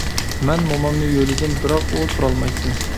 مەن مومامنى يۆلىدىم، بىراق ئۇ تۇرالمايتتى.